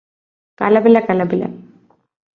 കലപില കലപില